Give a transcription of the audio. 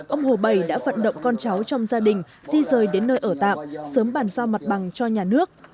ông hồ bày đã vận động con cháu trong gia đình di rời đến nơi ở tạm sớm bàn giao mặt bằng cho nhà nước